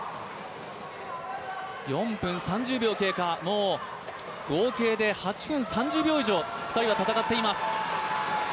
４分３０秒経過、合計で８分３０秒以上、２人は戦っています。